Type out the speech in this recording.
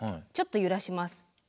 ちょっと揺らします。